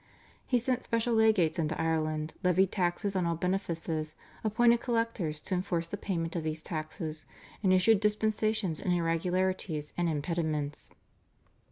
He sent special legates into Ireland, levied taxes on all benefices, appointed collectors to enforce the payment of these taxes, and issued dispensations in irregularities and impediments.